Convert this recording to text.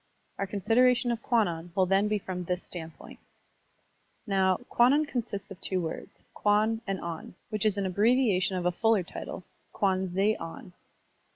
Our consideration of Kwannon will then be from this standpoint. Now, Kwannon consists of two words, kwan and on, which is an abbreviation of a fuller title, Kwan ze on.